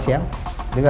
terima kasih pak